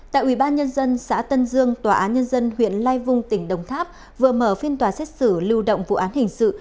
tại ủy ban nhân dân xã tân dương tòa án nhân dân huyện lai vung tỉnh đồng tháp vừa mở phiên tòa xét xử lưu động vụ án hình sự